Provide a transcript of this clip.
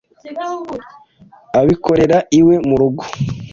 Abikorera iwe mu rugo